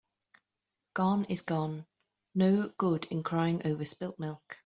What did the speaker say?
Gone is gone. No good in crying over spilt milk.